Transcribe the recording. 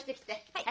はい。